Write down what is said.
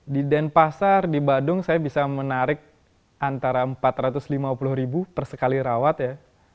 di denpasar di badung saya bisa menarik antara empat ratus lima puluh ribu per sekali rawat ya